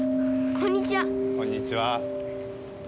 こんにちは。